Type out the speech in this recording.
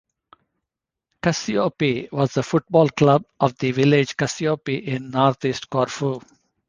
Kassiopi was the football club of the village Kassiopi in north-east Corfu.